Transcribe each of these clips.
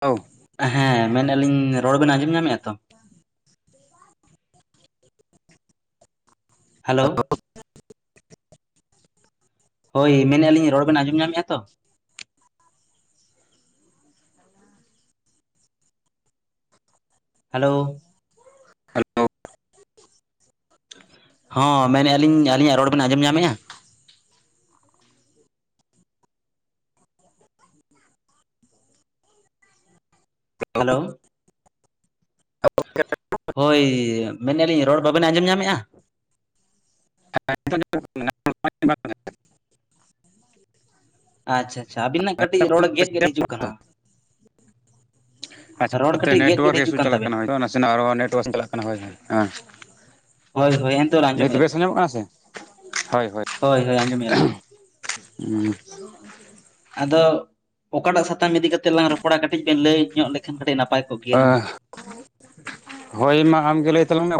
ᱦ [unintelligible] ᱦᱮᱸ ᱢᱮᱱ ᱮᱟᱞᱤᱧ ᱨᱚᱲ ᱵᱮᱱ ᱟᱸᱡᱚᱢ ᱧᱟᱢᱮᱫᱼᱟ ᱛᱚ ᱦᱮᱞᱳ ᱦᱳᱭ ᱢᱮᱱᱮᱫᱼᱟ ᱞᱤᱧ ᱨᱚᱲ ᱵᱮᱱ ᱟᱸᱡᱚᱢ ᱧᱟᱢᱮᱫᱼᱟ ᱛᱚ ᱦᱮᱞᱳ ᱟᱪᱪᱷᱟ ᱦᱚᱸ ᱢᱮᱱᱮᱜᱼᱟᱤᱧ ᱟᱹᱞᱤᱧᱟᱜ ᱨᱚᱲ ᱵᱮᱱ ᱟᱸᱡᱚᱢ ᱧᱟᱢᱮᱫᱼᱟ ᱦᱮᱞᱳ ᱦᱳᱭ ᱢᱮᱱᱮᱜᱼᱟᱞᱤᱧ ᱨᱚᱲ ᱵᱟᱵᱮᱱ ᱟᱸᱡᱚᱢ ᱧᱟᱢᱮᱫᱼᱟ [unintelligible] ᱟᱪᱪᱷᱟ ᱟᱪᱪᱷᱟ ᱟᱵᱤᱱᱟᱜ ᱠᱟᱹᱴᱤᱡ ᱨᱚᱲ ᱜᱮᱫ ᱜᱮᱫ ᱦᱤᱡᱩᱜ ᱠᱟᱱᱟ ᱨᱚᱲ ᱠᱟᱹᱴᱤᱡ ᱜᱮᱫ ᱜᱮᱫ ᱦᱤᱡᱩᱜ ᱠᱟᱱ ᱛᱟᱵᱤᱱᱟ ᱱᱟᱱᱟᱜ ᱟᱨᱦᱚᱸ ᱱᱮᱴᱣᱟᱨᱠ ᱪᱟᱞᱟᱜ ᱠᱟᱱᱟ ᱦᱳᱭ ᱦᱳᱭ ᱦᱮᱸ ᱦᱳᱭ ᱦᱳᱭ ᱮᱱᱛᱮ ᱱᱤᱛ ᱟᱸᱡᱚᱢᱮᱫᱼᱟ ᱞᱤᱧ ᱵᱮᱥ ᱟᱸᱡᱚᱢᱚᱜ ᱠᱟᱱᱟ ᱥᱮ ᱦᱳᱭ ᱦᱳᱭ ᱟᱸᱡᱚᱢᱮᱜ ᱟᱞᱤᱧ ᱟᱫᱚ ᱚᱠᱟᱴᱟᱜ ᱥᱟᱛᱟᱢ ᱤᱫᱤ ᱠᱟᱛᱮ ᱞᱟᱝ ᱨᱚᱯᱚᱲᱟ ᱠᱟᱹᱴᱤᱡ ᱵᱮᱱ ᱞᱟᱹᱭ ᱧᱚᱜ ᱞᱮᱠᱷᱟᱱ ᱠᱟᱹᱴᱤᱡ ᱱᱟᱯᱟᱭ ᱠᱚᱜ ᱜᱮᱭᱟ ᱦᱩᱱᱟᱹᱝ ᱮᱸᱻ᱾ ᱦᱳᱭ ᱢᱟ ᱟᱢᱜᱮ ᱞᱟᱹᱭ ᱛᱟᱞᱟᱝ ᱢᱮ?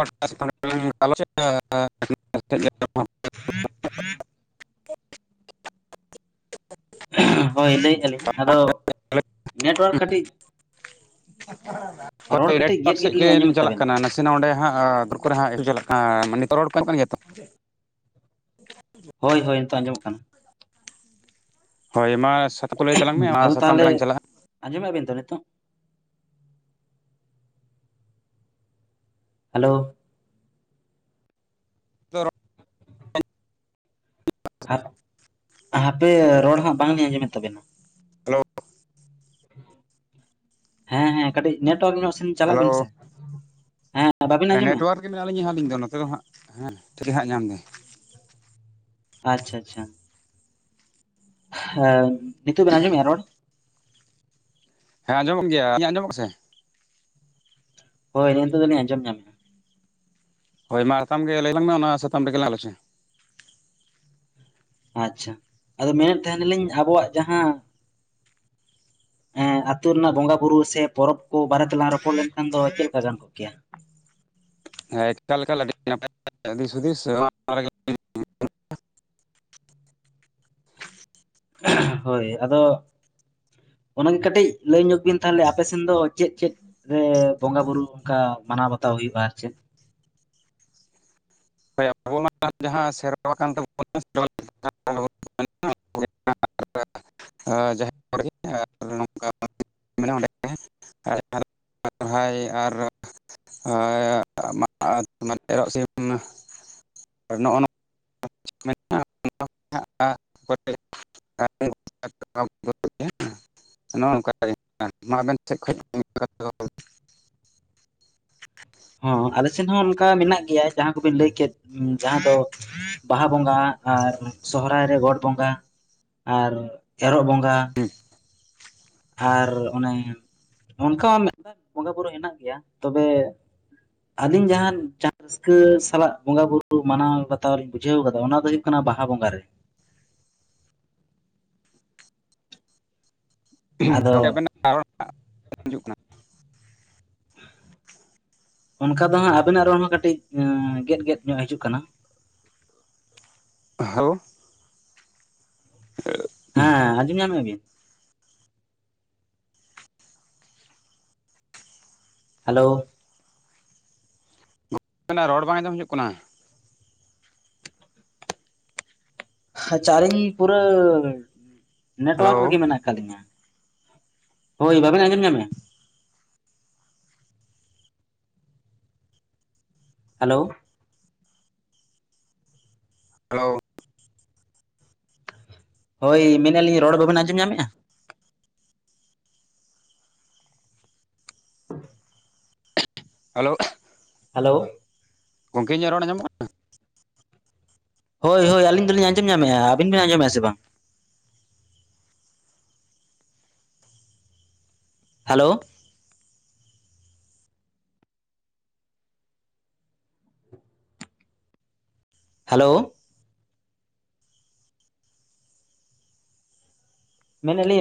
[unintelligible] ᱦᱮᱸ ᱦᱮᱸ [unintelligible] [inaudible] ᱦᱳᱭ ᱞᱟᱹᱭᱮᱫ ᱟᱞᱤᱧ, ᱟᱫᱚ ᱱᱮᱴᱣᱟᱨᱠ ᱠᱟᱴᱤᱡ ᱨᱚᱲ ᱦᱳᱭ ᱠᱟᱹᱴᱤᱡ ᱱᱮᱴᱚᱣᱟᱨᱠ ᱜᱮᱫ ᱥᱮᱫ ᱜᱮᱫ ᱞᱤᱧ ᱜᱮᱞᱤᱧ ᱟᱸᱡᱚᱢᱮᱫ ᱪᱟᱞᱟᱜ ᱛᱟᱵᱮᱱᱟ ᱠᱟᱱᱟ᱾ ᱥᱮ ᱱᱚᱸᱰᱮ ᱦᱟᱸᱜ ᱫᱩᱨᱠ ᱨᱮ ᱦᱟᱸᱜ ᱮᱠᱪ ᱢᱟᱱ ᱱᱤᱛᱚ ᱨᱚᱲ ᱠᱚ ᱠᱟᱱ ᱜᱮᱭᱟ ᱛᱚ [unintelligible] ᱦᱳᱭᱻ ᱦᱳᱭᱻ, ᱱᱤᱛᱳᱜ ᱟᱸᱡᱚᱢᱚᱜ ᱠᱟᱱᱟ᱾ ᱦᱳᱭ ᱢᱟ ᱠᱚ ᱞᱟᱹᱭ ᱛᱟᱞᱟᱝ ᱢᱮ ᱚᱱᱟ ᱟᱫᱚ ᱥᱟᱛᱟᱢ ᱛᱟᱦᱟᱞᱮ ᱨᱮᱞᱟᱝ ᱪᱟᱞᱟᱜᱼᱟ ᱟᱸᱡᱚᱢᱮᱫ ᱵᱤᱱ ᱛᱚ ᱱᱤᱛᱳᱜ? ᱦᱮᱞᱳᱻ᱾ ᱡ [unintelligible] [unintelligible] ᱟᱨ ᱦᱟᱯᱮ ᱨᱚᱲ ᱦᱟᱸᱜ ᱵᱟᱝᱞᱤᱧ ᱟᱸᱡᱚᱢᱮᱫ ᱛᱟᱵᱤᱱᱟ? ᱦᱮᱞᱳᱻ᱾ ᱦᱮᱸᱻ ᱦᱮᱸᱻ, ᱠᱟᱹᱴᱤᱡ ᱱᱮᱴᱚᱣᱟᱨᱠ ᱧᱚᱜ ᱥᱮᱱ ᱪᱟᱞᱟᱜ ᱦᱮᱞᱳ ᱵᱤᱱ ᱥᱮ ᱦᱮᱸ? ᱵᱟᱵᱤᱱ ᱟᱸᱡᱚᱢᱮᱫᱼᱟ ᱱᱮᱴᱣᱟᱨᱠ ᱜᱮ ᱢᱮᱱᱟᱜ ᱞᱤᱧᱟ ᱦᱟᱸᱜ ᱟᱞᱤᱧ ᱫᱚ ᱱᱚᱛᱮ ᱫᱚ ᱦᱟᱸᱜ ᱴᱷᱤᱠ ᱜᱮ ᱦᱟᱸᱜ ᱧᱟᱢ ᱫᱟᱭ᱾ ᱟᱪᱪᱷᱟᱻ ᱟᱪᱪᱷᱟᱻ᱾ ᱦᱮᱸ ᱱᱤᱛᱳᱜ ᱵᱤᱱ ᱟᱡᱚᱢᱮᱜᱼᱟ ᱨᱚᱲ? ᱦᱮᱸᱚᱢᱚᱜ ᱜᱮᱭᱟᱧ ᱟᱞᱤᱧᱟᱜ ᱟᱡᱚᱢᱚᱜ ᱠᱟᱱᱟ ᱥᱮ? ᱦᱳᱭ ᱦᱮᱜ ᱱᱤᱛᱳᱚ ᱫᱚᱞᱤᱧ ᱟᱸᱚᱢ ᱧᱟᱢᱮᱜᱼᱟ᱾ ᱦᱳᱭ ᱢᱟ ᱥᱟᱛᱟᱢ ᱜᱮ ᱞᱟᱹᱭ ᱟᱞᱟᱝ ᱢᱮ ᱚᱱᱟ ᱥᱟᱛᱟᱢ ᱨᱮᱜᱮ ᱞᱟᱝ ᱟᱞᱳᱪᱚᱱᱟ ᱟᱪᱪᱷᱟ ᱟᱫᱚ ᱢᱮᱱᱮᱫ ᱛᱟᱦᱮᱸᱱᱟᱞᱤᱧ ᱟᱵᱚᱣᱟᱜ ᱡᱟᱦᱟᱸ ᱮᱸ ᱟᱹᱛᱳ ᱨᱮᱱᱟᱜ ᱵᱚᱸᱜᱟ ᱵᱩᱨᱩ ᱥᱮ ᱯᱚᱨᱚᱵᱽ ᱠᱚ ᱵᱟᱨᱮ ᱛᱮᱞᱟᱝ ᱨᱚᱯᱚᱲ ᱞᱮᱱᱠᱷᱟᱱ ᱫᱚ ᱪᱮᱫ ᱞᱮᱠᱟ ᱜᱟᱱ ᱠᱚᱜ ᱠᱮᱭᱟ? ᱦᱮᱸ ᱮᱠᱟᱞᱮᱠᱟ ᱱᱟᱯᱟᱭ [unintelligible] ᱫᱤᱥ ᱦᱩᱫᱤᱥᱮ [unintelligible] ᱦᱳᱭᱻ ᱟᱫᱚ ᱚᱱᱟᱜᱮ ᱠᱟᱹᱴᱤᱡ ᱞᱟᱹᱭ ᱧᱚᱜ ᱵᱤᱱ ᱛᱟᱦᱚᱞᱮ ᱟᱯᱮ ᱥᱮᱱ ᱫᱚ ᱪᱮᱫ ᱪᱮᱫ? ᱨᱮ ᱵᱚᱸᱜᱟ ᱵᱩᱨᱩ ᱚᱱᱠᱟ ᱢᱟᱱᱟᱣ ᱵᱟᱛᱟᱣ ᱦᱩᱭᱩᱜᱼᱟ ᱟᱨ ᱪᱮᱫ? ᱦᱳ ᱟᱵᱚ ᱢᱟ ᱡᱟᱦᱟᱸ ᱥᱮᱨᱣᱟ ᱠᱟᱱ ᱛᱟᱵᱚᱱᱟ [unintelligible] ᱡᱟᱦᱮᱨᱜᱮ ᱟᱨ ᱱᱚᱝᱠᱟ ᱢᱮᱱᱟᱜᱼᱟ ᱚᱸᱰᱮ [unintelligible] [inaudible] [inaudible] ᱟᱨ ᱥᱚᱨᱦᱟᱭ ᱟᱨ ᱮᱨᱚᱜ ᱥᱤᱢ ᱱᱚᱜᱼᱚ ᱱᱚᱣᱟ [unintelligible] [unintelligible] ᱱᱚᱜᱼᱚ ᱱᱚᱝᱠᱟ ᱟᱵᱮᱱ ᱥᱮᱫ ᱠᱷᱚᱱ [unintelligible] ᱦᱚᱸ ᱟᱞᱮ ᱥᱮᱱ ᱦᱚᱸ ᱚᱱᱠᱟ ᱢᱮᱱᱟᱜ ᱜᱮᱭᱟ ᱡᱟᱦᱟᱸ ᱠᱚᱵᱤᱱ ᱞᱟᱹᱭ ᱠᱮᱫ ᱡᱟᱦᱟᱸ ᱫᱚ ᱵᱟᱦᱟ ᱵᱚᱸᱜᱟ ᱟᱨ ᱥᱚᱦᱚᱨᱟᱭ ᱨᱮ ᱜᱚᱴ ᱵᱚᱸᱜᱟ᱾ ᱟᱨ ᱮᱨᱚᱜ ᱵᱚᱸᱜᱟ᱾ [unintelligible] ᱟᱨ ᱚᱱᱮ ᱚᱱᱠᱟ ᱢᱮᱫ-ᱵᱟᱨ ᱵᱚᱸᱜᱟ ᱵᱩᱨᱩ ᱦᱮᱱᱟᱜ ᱜᱮᱭᱟ ᱛᱚᱵᱮ ᱟᱹᱞᱤᱧ ᱡᱟᱦᱟᱸ ᱡᱟᱦᱟᱸ ᱨᱟᱹᱥᱠᱟᱹ ᱥᱟᱞᱟᱜ ᱵᱚᱸᱜᱟ ᱵᱩᱨᱩ ᱢᱟᱱᱟᱣ ᱵᱟᱛᱟᱣ ᱞᱤᱧ ᱵᱩᱡᱷᱟᱹᱣ ᱠᱟᱫᱟ ᱚᱱᱟ ᱫᱚ ᱦᱩᱭᱩᱜ ᱠᱟᱱᱟ ᱵᱟᱦᱟ ᱵᱚᱸᱜᱟ ᱨᱮ᱾ ᱷᱩᱸ ᱟᱫᱚ ᱜᱚᱢᱠᱮ ᱟᱵᱤᱱᱟᱜ ᱨᱚᱲ ᱵᱟᱝ ᱟᱧᱡᱚᱢᱚᱜ ᱠᱟᱱᱟ᱾ ᱚᱱᱠᱟ ᱫᱚ ᱦᱟᱸᱜ ᱟᱵᱤᱱᱟᱜ ᱨᱚᱲ ᱦᱚᱸ ᱠᱟᱹᱴᱤᱡ ᱜᱮᱫᱼᱜᱮᱫ ᱧᱚᱜ ᱦᱤᱡᱩᱜ ᱠᱟᱱᱟ᱾ ᱟᱷᱳ [unintelligible] [unintelligible] ᱦᱮᱸ ᱟᱸᱡᱚᱢ ᱧᱟᱢᱮᱜ ᱟᱵᱤᱱ? ᱦᱮᱞᱳᱻ᱾ ᱟᱵᱤᱱᱟ ᱨᱚᱲ ᱵᱟᱝ ᱟᱸᱡᱚᱢ ᱦᱤᱡᱩᱜ ᱠᱟᱱᱟ? ᱟᱪᱪᱷᱟ ᱟᱞᱤᱧ ᱯᱩᱨᱟᱹ ᱦᱮᱞᱳ ᱱᱮᱴᱣᱟᱨᱠ ᱨᱮᱜᱮ ᱢᱮᱱᱟᱜ ᱠᱟᱜ ᱞᱤᱧᱟ ᱦᱳᱭ ᱵᱟᱵᱮᱱ ᱟᱸᱡᱚᱢ ᱧᱟᱢᱮᱜᱟ? ᱦᱮᱞᱳᱻ᱾ ᱦᱮᱞᱳ ᱦᱳᱭ, ᱢᱮᱱᱮᱫ ᱞᱤᱧ ᱨᱚᱲ ᱵᱟᱵᱮᱱ ᱟᱸᱡᱚᱢ ᱧᱟᱢᱮᱜᱼᱟ? ᱦᱮᱞᱳ ᱟᱷᱟ. ᱜ ᱦᱮᱞᱳ ᱜᱚᱝᱠᱮ ᱤᱧᱟᱜ ᱨᱚᱲ ᱟᱧᱚᱢᱚᱜ ᱠᱟᱱᱟ? ᱦᱳᱭ ᱦᱳᱭ ᱟᱞᱤᱧ ᱫᱚᱞᱤᱧ ᱟᱧᱢᱟᱢ ᱧᱟᱢᱮᱜᱼᱟ, ᱟᱵᱤᱱ ᱵᱤᱱ ᱟᱸᱡᱚᱢᱮᱜᱟ ᱥᱮ ᱵᱟᱝ? Hello hello ᱢᱮᱱᱫᱟᱞᱤᱼᱼ